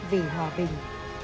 vì hòa bình